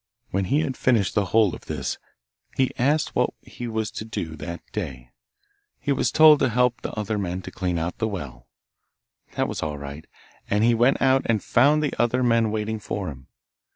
When he had finished the whole of this, he asked what he was to do that day. He was told to help the other men to clean out the well. That was all right, and he went out and found the other men waiting for him.